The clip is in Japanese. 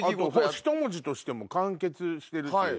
１文字としても完結してるし。